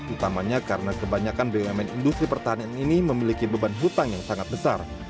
utamanya karena kebanyakan bumn industri pertahanan ini memiliki beban hutang yang sangat besar